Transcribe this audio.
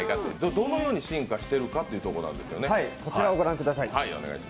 どのように進化しているかというところなんですよね。